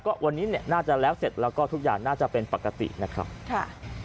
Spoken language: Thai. ก็วันนี้เนี่ยน่าจะแล้วเสร็จแล้วก็ทุกอย่างน่าจะเป็นปกตินะครับค่ะ